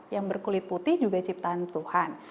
yang berkulit putih juga ciptaan tuhan